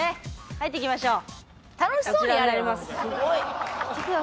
入っていきましょう。